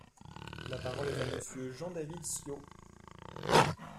La parole est à Monsieur Jean-David Ciot.